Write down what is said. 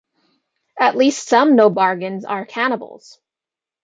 At least some nobargans are cannibals.